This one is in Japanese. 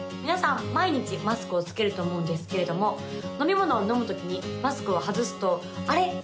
皆さん毎日マスクを着けると思うんですけれども飲み物を飲むときにマスクを外すとあれ？